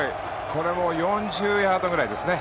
これも４０ヤードぐらいですね。